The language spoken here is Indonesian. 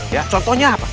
ya contohnya apa